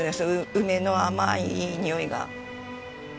梅の甘いいいにおいが。